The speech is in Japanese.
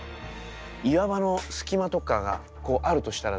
岩場の隙間とかがこうあるとしたらですね